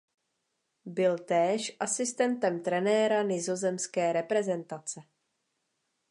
Byl též asistentem trenéra nizozemské reprezentace.